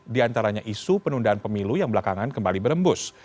di antaranya isu penundaan pemilu yang belakangan kembali berembus